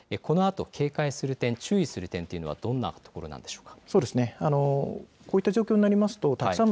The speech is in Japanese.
このあと警戒する点、注意する点検はどんなところなんでしょうか。